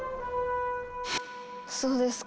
そうですか。